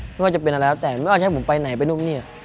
ไม่ว่าจะเป็นอะไรแล้วแต่ไม่ว่าจะให้ผมไปไหนไปนู่นนี่